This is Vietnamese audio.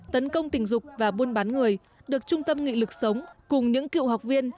tấn công tình dục và buôn bán người được trung tâm nghị lực sống cùng những cựu học viên